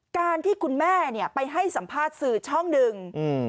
การที่คุณแม่เนี่ยไปให้สัมภาษณ์สื่อช่องหนึ่ง